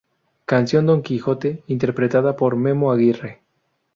Canción ""Don Quijote"" interpretada por Memo Aguirre.